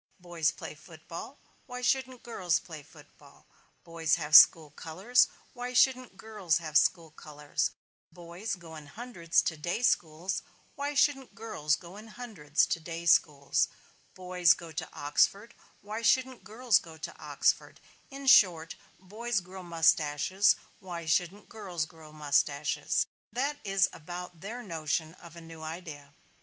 Boys play football, why shouldn't girls play football; boys have school colors, why shouldn't girls have school colors; boys go in hundreds to day schools, why shouldn't girls go in hundreds to day schools; boys go to Oxford, why shouldn't girls go to Oxford in short, boys grow mustaches, why shouldn't girls grow mustaches that is about their notion of a new idea.